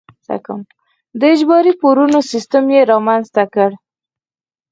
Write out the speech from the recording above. د اجباري پورونو سیستم یې رامنځته کړ.